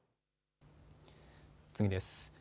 次です。